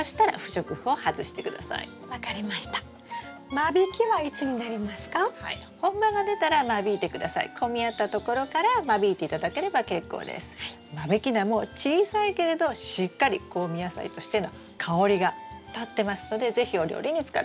間引き菜も小さいけれどしっかり香味野菜としての香りがたってますので是非お料理に使って下さい。